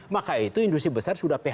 maka itu industri besar sudah phk